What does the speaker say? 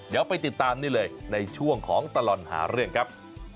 เดี๋ยวไปติดตามนี่เลยในช่วงของตลอดหาเรื่องครับ